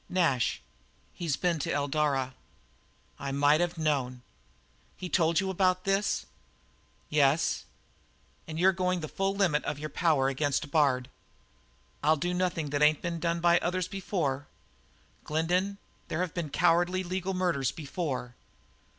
"Nash; he's been to Eldara." "I might have known. He told you about this?" "Yes." "And you're going the full limit of your power against Bard?" "I'll do nothin' that ain't been done by others before me." "Glendin, there have been cowardly legal murders before.